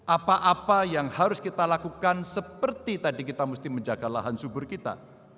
apa apa yang harus kita lakukan seperti tadi kita mesti menjaga lahan subur kita